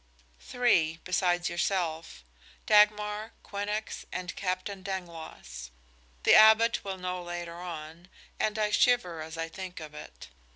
"Three besides yourself. Dagmar, Quinnox and Captain Dangloss. The Abbot will know later on, and I shiver as I think of it.